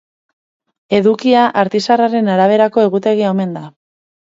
Edukia Artizarraren araberako egutegia omen da.